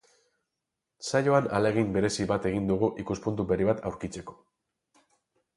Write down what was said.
Saioan ahalegin berezi bat egin dugu ikuspuntu berri bat aurkitzeko.